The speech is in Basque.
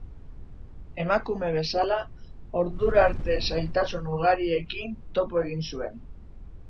Emakume bezala, ordura arte zailtasun ugariekin topo egin zuen.